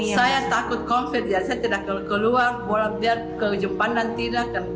saya takut covid sembilan belas saya tidak keluar boleh biar kejumpanan tidak